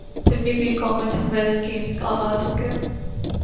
Sydney ویں commonwealth games کا اغاز ہو گیا